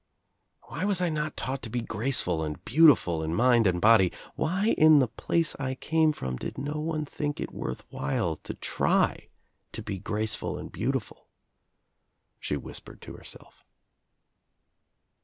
"Why was I not taught to be graceful and beautiful in mind and body, why in the place I came from did no one think it worth while to try to be graceful and beauti ful?" she whispered to herself.